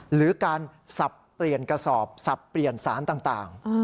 หรือการสับเปลี่ยนกระสอบสับเปลี่ยนสารต่าง